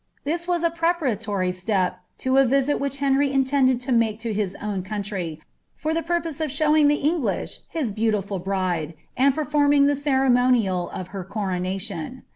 This was a preparatory step lo a visit which Henry tntonM* make 10 his own country, for the purpose of showing the £ngUiA to heauiirul bride, and performing the cen monial of her coronatton.